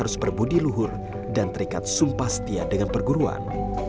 sumpah setia dengan perguruan